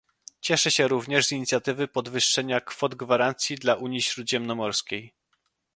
Cieszę się również z inicjatywy podwyższenia kwot gwarancji dla Unii Śródziemnomorskiej